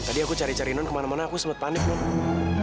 tadi aku cari cari non kemana mana aku sempat panik dong